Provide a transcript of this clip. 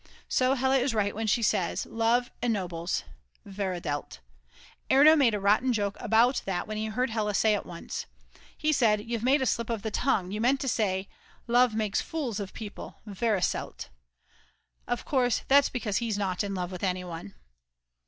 So Hella is right when she says: Love enobles [veredelt]. Erno made a rotten joke about that when he heard Hella say it once. He said: "You've made a slip of the tongue, you meant to say: Love makes fools of people [vereselt]." Of course that's because he's not in love with anyone.